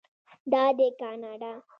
دا دی کاناډا.